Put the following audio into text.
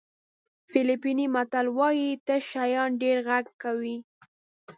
فلیپیني متل وایي تش شیان ډېر غږ کوي.